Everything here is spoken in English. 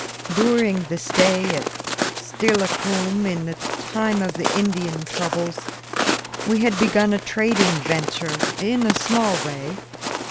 During the stay at Steilacoom in the time of the Indian troubles, we had begun a trading venture, in a small way.